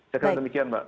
saya kata demikian pak